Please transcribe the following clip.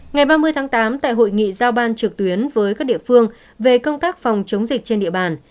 ngày ba mươi tháng tám tại hội nghị giao ban trực tuyến với các địa phương về công tác phòng chống dịch trên địa bàn